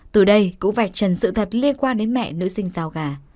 từ đây cũng vạch trần sự thật liên quan đến mẹ nữ sinh giao gà